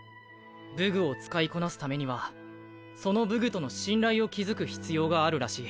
武具を使いこなすためにはその武具との信頼を築く必要があるらしい。